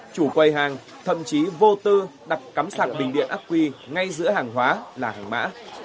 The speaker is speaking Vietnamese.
chủ quầy hàng thậm chí vô tư đặt cắm sẵn sàng bình điện ác quy ngay giữa hàng hóa là hàng mã